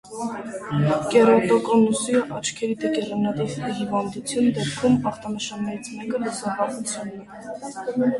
Կերատոկոնուսի (աչքերի դեգեներատիվ հիվանդություն) դեպքում ախտանշաններից մեկը լուսավախությունն է։